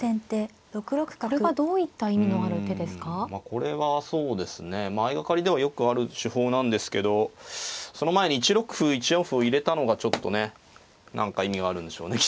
これはそうですね相掛かりではよくある手法なんですけどその前に１六歩１四歩を入れたのがちょっとね何か意味があるんでしょうねきっと。